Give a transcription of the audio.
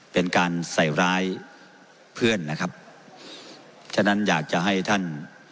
เป็นการใส่ร้ายเพื่อนนะครับฉะนั้นอยากจะให้ท่าน